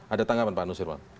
ada tanggapan pak nusirwan